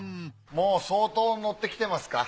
もう相当乗ってきてますか？